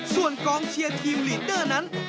ส่วนกองเชียร์ทีมลีดเดอร์นั้น